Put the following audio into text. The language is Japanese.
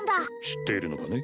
知っているのかね？